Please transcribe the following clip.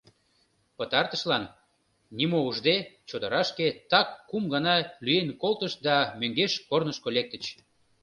Пытартышлан, нимо ужде, чодырашке так кум гана лӱен колтышт да мӧҥгеш корнышко лектыч.